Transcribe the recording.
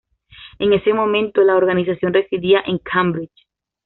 En este momento la organización residía en Cambridge.